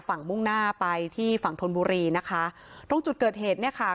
มุ่งหน้าไปที่ฝั่งธนบุรีนะคะตรงจุดเกิดเหตุเนี่ยค่ะ